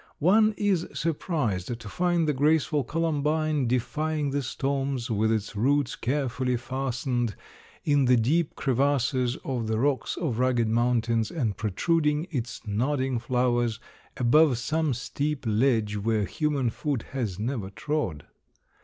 One is surprised to find the graceful Columbine, defying the storms, with its roots carefully fastened in the deep crevasses of the rocks of rugged mountains and protruding its nodding flowers above some steep ledge where human foot has never trod.